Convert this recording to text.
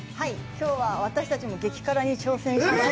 きょうは私たちも激辛に挑戦します！